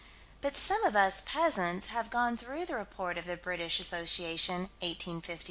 But some of us peasants have gone through the Report of the British Association, 1852.